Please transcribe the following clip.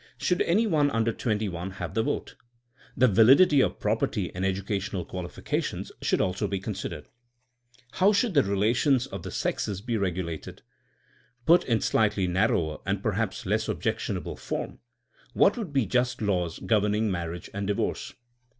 Should any one under twenty one have the vote! The var lidity of property and educational qualifications should also be considered. How should the relations of the sexes he regu lated? Put in slightly narrower and perhaps less objectionable form: What would be just laws governing marriage and divorce!